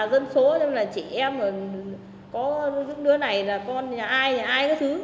dân số cho mình là trẻ em có những đứa này là con nhà ai nhà ai cái thứ